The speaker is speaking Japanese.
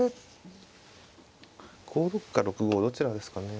５六か６五どちらですかね。